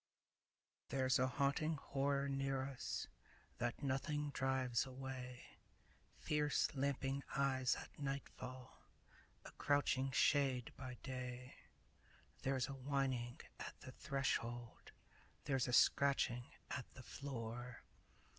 THERE'S a haunting horror near us That nothing drives away; Fierce lamping eyes at nightfall, A crouching shade by day; There's a whining at the threshold, There's a scratching at the floor.